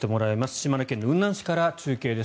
島根県の雲南市から中継です。